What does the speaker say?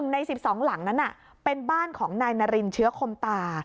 ใน๑๒หลังนั้นเป็นบ้านของนายนารินเชื้อคมตา